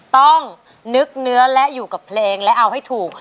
ต้องนึกเนื้อและอยู่กับเพลงและเอาให้ถูก